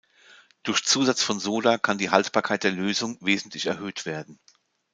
Durch Zusatz von Soda kann die Haltbarkeit der Lösung wesentlich erhöht werden.